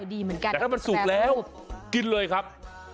ดีเหมือนกันแต่ถ้ามันสุกแล้วกินเลยครับ